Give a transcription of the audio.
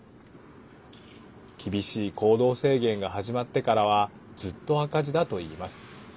厳しい行動制限が始まってからはずっと赤字だといいます。